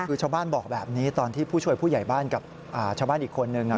คือชาวบ้านบอกแบบนี้ตอนที่ผู้ช่วยผู้ใหญ่บ้านกับชาวบ้านอีกคนนึง